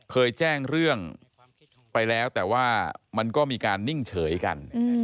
เคยแจ้งเรื่องไปแล้วแต่ว่ามันก็มีการนิ่งเฉยกัน